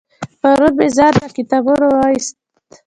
پرون مې ځان له کتابونه واغستل